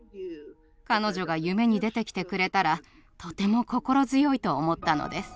彼女が夢に出てきてくれたらとても心強いと思ったのです。